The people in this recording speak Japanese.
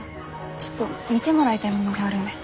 ちょっと見てもらいたいものがあるんです。